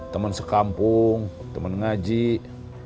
temen sekampung temen ngajik